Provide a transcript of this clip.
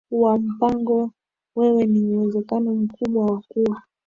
wa mpango wewe ni uwezekano mkubwa wa kuwa